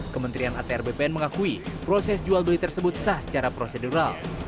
kementerian atr bpn mengakui proses jual beli tersebut sah secara prosedural